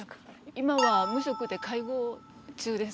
今は無職で介護中です。